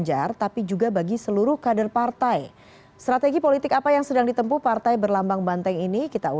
ketua dpp pdi perjuangan